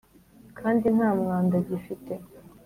kandi nta mwanda gifite.